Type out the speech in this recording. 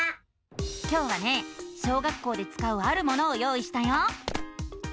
今日はね小学校でつかうあるものを用意したよ！